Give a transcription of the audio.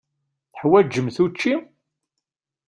Teḥwaǧemt učči?